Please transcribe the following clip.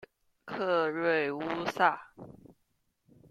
克瑞乌萨。